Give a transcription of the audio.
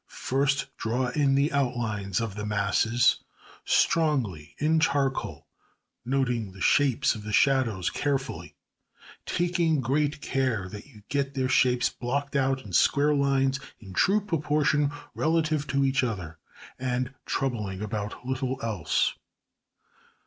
] First draw in the outlines of the #masses# strongly in charcoal, noting the shapes of the shadows carefully, taking great care that you get their shapes blocked out in square lines in true proportion relative to each other, and troubling about little else.